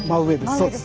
そうです